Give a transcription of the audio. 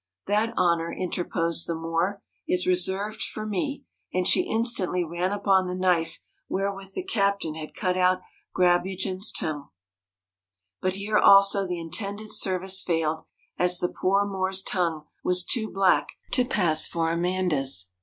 ' That honour,' interposed the Moor, ' is reserved for me,' and she instantly ran upon the knife wherewith the captain had cut out Grabugeon's tongue. But here, also, the intended service failed, as the poor Moor's tongue was too black to pass for Miranda's.